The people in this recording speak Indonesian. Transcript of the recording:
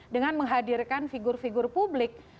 dengan menghadirkan figur figur publik